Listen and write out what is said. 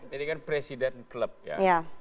jadi ini kan presiden klub ya